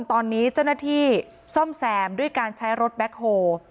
ตอนนี้เจ้าหน้าที่ซ่อมแซมด้วยการใช้รถแบ็คโฮล